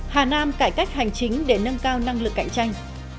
hà nam cải cách hành chính để nâng cao năng lực cạnh tranh